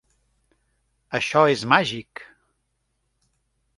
Això és màgic...